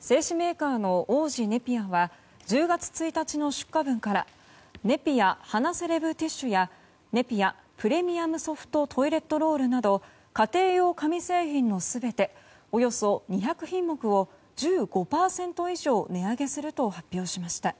製紙メーカーの王子ネピアは１０月１日の出荷分からネピア鼻セレブティッシュやネピアプレミアムソフトトイレットロールなど家庭用紙製品の全ておよそ２００品目を１５％以上値上げすると発表しました。